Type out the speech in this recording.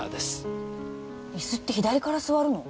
イスって左から座るの？